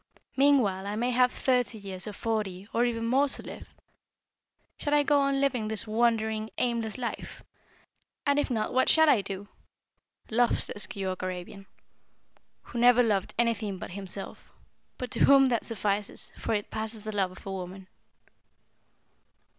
Meanwhile, I may have thirty years, or forty, or even more to live. Shall I go on living this wandering, aimless life? And if not what shall I do? Love, says Keyork Arabian who never loved anything but himself, but to whom that suffices, for it passes the love of woman!"